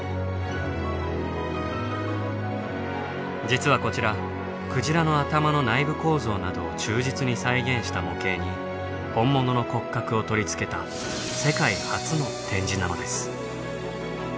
実はこちらクジラの頭の内部構造などを忠実に再現した模型に本物の骨格を取り付けた世界初の展示なのです。